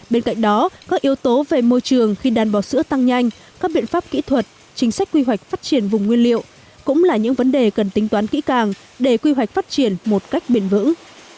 bên cạnh đó các yếu tố về môi trường khi đàn bò sữa tăng nhanh các biện pháp kỹ thuật chính sách quy hoạch phát triển vùng nguyên liệu cũng là những vấn đề cần tính toán kỹ càng để quy hoạch phát triển một cách bền vững